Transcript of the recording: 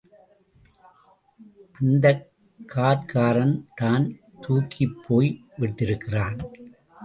அந்தக் கார்காரன்தான் தூக்கிப் போய் விட்டிருக்கிறான்.